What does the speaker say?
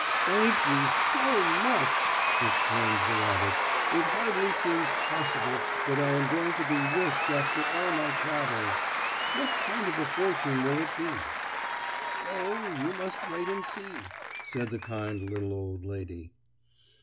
"Thank you so much!" exclaimed the rabbit. "It hardly seems possible that I am going to be rich after all my travels. What kind of a fortune will it be?" "Oh, you must wait and see," said the kind little old lady.